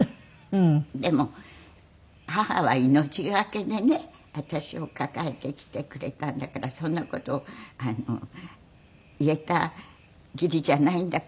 でも母は命懸けでね私を抱えてきてくれたんだからそんな事を言えた義理じゃないんだけど。